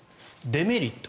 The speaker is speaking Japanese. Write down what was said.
デメリット